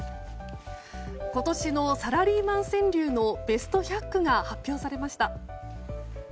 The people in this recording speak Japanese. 今年のサラリーマン川柳のベスト１００句が発表されました。